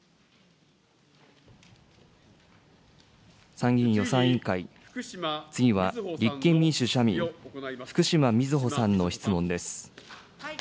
参議院予算委員会、次は立憲民主・社民、福島みずほさんの質問です。